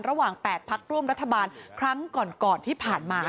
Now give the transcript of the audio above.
ระหว่าง๘พักร่วมรัฐบาลครั้งก่อนที่ผ่านมา